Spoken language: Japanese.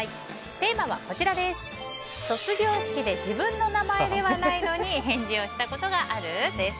テーマは、卒業式で自分の名前ではないのに返事をしたことがある？です。